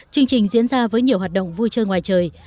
chương trình diễn ra với nhiều hoạt động vui chơi ngoài trời